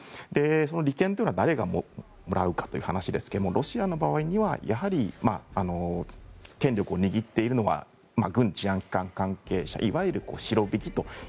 その利権というのは誰がもらうかという話ですがロシアの場合にはやはり権力を握っているのは軍や治安関係者です。